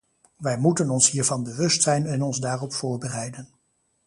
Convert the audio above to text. Wij moeten ons hiervan bewust zijn en ons daarop voorbereiden.